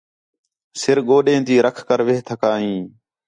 سِر ڳوݙیں تی رَکھ کر وِہ تھکا ہیں